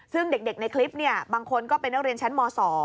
ซึ่งเด็กในคลิปบางคนก็เป็นนักเรียนชั้นม๒